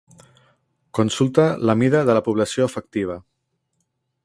Consulta la mida de la població efectiva.